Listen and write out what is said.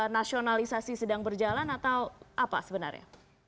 nasionalisasi sedang berjalan atau apa sebenarnya